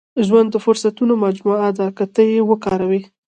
• ژوند د فرصتونو مجموعه ده، که ته یې وکاروې.